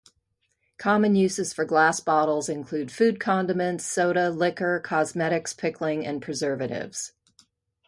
Common uses for glass bottles include food condiments, soda, liquor, cosmetics, pickling and preservatives.